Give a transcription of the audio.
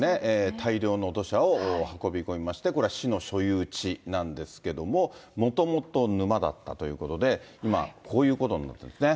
大量の土砂を運び込みまして、これ、市の所有地なんですけども、もともと沼だったということで、今、こういうことになってるんですね。